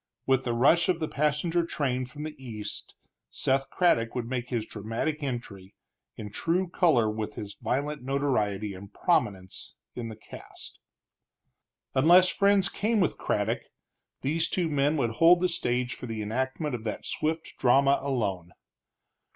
With the rush of the passenger train from the east Seth Craddock would make his dramatic entry, in true color with his violent notoriety and prominence in the cast. Unless friends came with Craddock, these two men would hold the stage for the enactment of that swift drama alone.